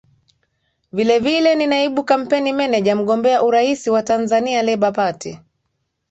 vile vile ni naibu kampeni manager mgombea urais wa tanzania labour party